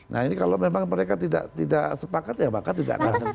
nah ini kalau memang mereka tidak sepakat ya maka tidak akan selesai